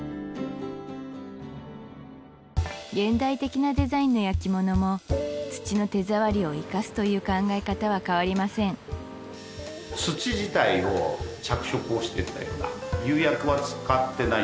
現代的なデザインの焼き物も土の手触りを生かすという考え方は変わりませんんですよね